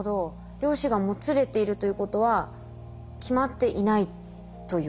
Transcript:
量子がもつれているということは決まっていないということですかね？